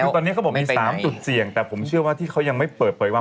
คือตอนนี้เขาบอกมี๓จุดเสี่ยงแต่ผมเชื่อว่าที่เขายังไม่เปิดเผยว่า